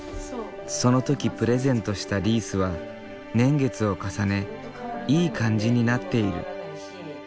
その時プレゼントしたリースは年月を重ねいい感じになっている。